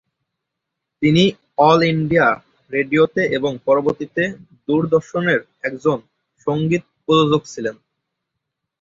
তিনি all India রেডিওতে এবং পরবর্তীতে দূরদর্শনের একজন সংগীত প্রযোজক ছিলেন।